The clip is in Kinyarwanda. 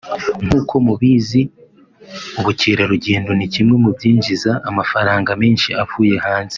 nkuko mubizi ubukerarugendo ni kimwe mu byinjiza amafaranga menshi avuye hanze